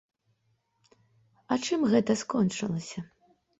І чым гэта скончылася?